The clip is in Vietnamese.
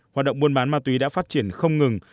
hoạt động buôn bán ma túy đã phát triển không ngừng